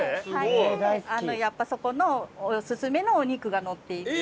やっぱそこのオススメのお肉がのっている。